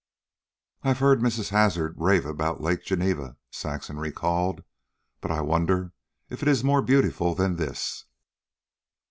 "I've heard Mrs. Hazard rave about Lake Geneva," Saxon recalled; "but I wonder if it is more beautiful than this."